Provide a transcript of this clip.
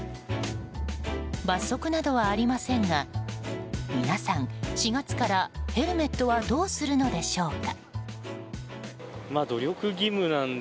罰則などはありませんが皆さん、４月からヘルメットはどうするのでしょうか？